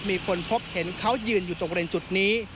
มีคนพบเห็นเขายืนอยู่ตรงเรนจุดนี้